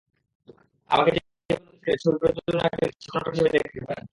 আমাকে যেকোনো দিন অভিনয় ছেড়ে ছবি প্রযোজনা কিংবা চিত্রনাট্যকার হিসেবে দেখতে পারেন।